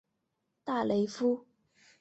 大雷夫。